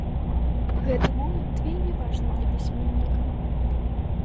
Гэты момант вельмі важны для пісьменніка.